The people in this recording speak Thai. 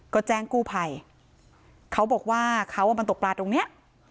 ก็แจ้งกู้ไผ่เขาบอกว่าเขาเอามาตกปลาตรงนี้